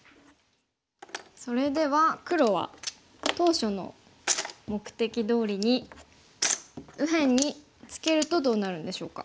それでは黒は当初の目的どおりに右辺にツケるとどうなるんでしょうか？